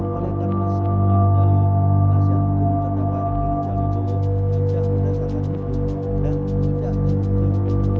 memanfaatkan kesempatan dari nasihat umum terdapat dari calon umum yang sudah sangat mudah dan mudah dikumpulkan